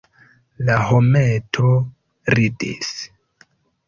La hometo ridis!